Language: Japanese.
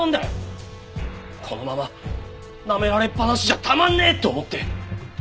このままナメられっぱなしじゃたまんねえって思って。